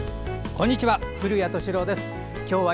こんにちは。